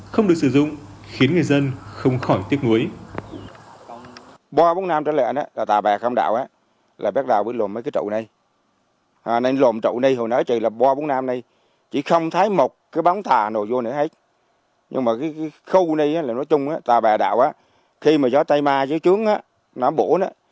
không được sử dụng khiến người dân không khỏi tiếc nuối